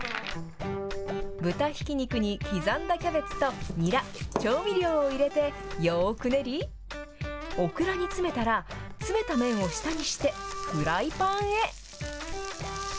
豚ひき肉に刻んだキャベツとニラ、調味料を入れて、よーく練り、オクラに詰めたら、積めた面を下にして、フライパンへ。